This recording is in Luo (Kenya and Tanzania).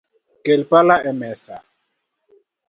Kel pala emesa